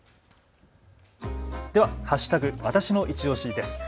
では＃わたしのいちオシです。